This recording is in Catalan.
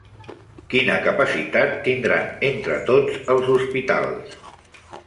Quina capacitat tindran entre tots els hospitals?